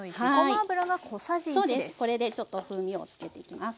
これでちょっと風味をつけていきます。